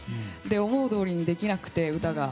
思いどおりにできなくて、歌が。